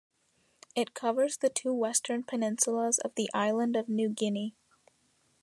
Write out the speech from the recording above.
It covers the two western peninsulas of the island of New Guinea.